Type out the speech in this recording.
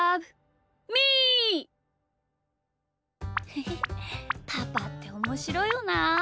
へへパパっておもしろいよなあ。